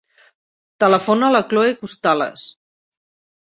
Telefona a la Khloe Costales.